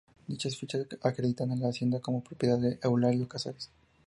Dichas fichas acreditan la hacienda como propiedad de Eulalio Casares.